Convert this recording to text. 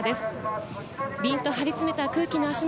ピンと張り詰めた空気の芦ノ